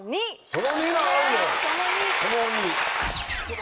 その２。